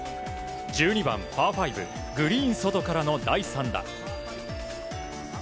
１２番、パー５グリーン外からの第３打。